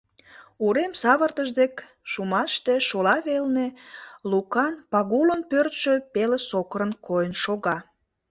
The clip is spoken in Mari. Урем савыртыш дек шумаште, шола велне, Лукан Пагулын пӧртшӧ пеле сокырын койын шога.